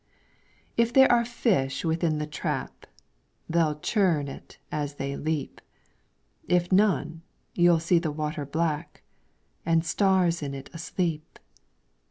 If there are fish within the trap, They '11 churn it as they leap. If none, you '11 see the water black, And stars in it asleep.